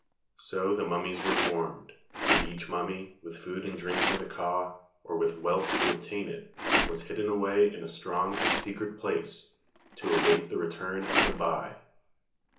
So the mummies were formed, and each mummy, with food and drink for the ka, or with wealth to obtain it, was hidden away in a strong or secret place, to await the return of the bai.